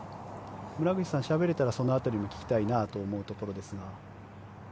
しゃべれたらその辺りも聞きたいなというところですが。